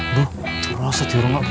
aduh rosak jirung aku